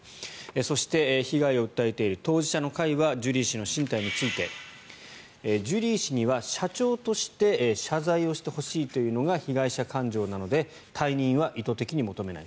そして、被害を訴えている当事者の会はジュリー氏の進退についてジュリー氏には社長として謝罪をしてほしいというのが被害者感情なので、退任は意図的に求めない。